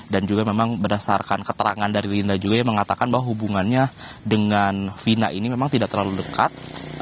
dan juga memang berdasarkan keterangan dari linda juga mengatakan bahwa hubungannya dengan vina ini memang tidak terlalu dekat